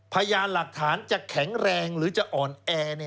พยานหลักฐานจะแข็งแรงหรือจะอ่อนแอ